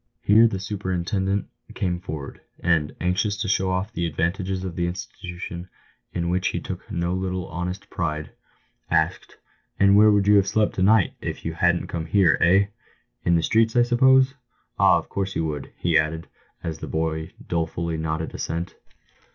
Here the superintendent came forward, and, anxious to show off the advantages of the institution, in which he took no little honest pride, asked, " And where would you have slept to night if you hadn't come here — eh ? In the streets, I suppose ? Ah, of course you would," he added, as the boy dolefully nodded assent.